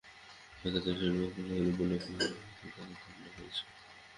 তাঁকে যারা শিল্পশিক্ষা উপলক্ষে কাছে পেয়েছে তারা ধন্য হয়েছে।